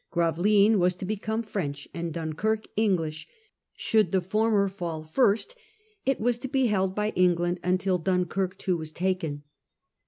Grave lines was to become French and Dunkirk English; should the former fall first it was to be held by England until Dunkirk too was taken.